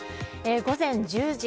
午前１０時。